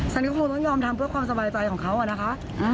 ฉันก็คงต้องยอมทำเพื่อความสบายใจของเขาอะนะคะ